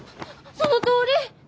そのとおり！